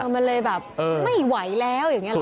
มันเลยแบบไม่ไหวแล้วอย่างนี้หรอ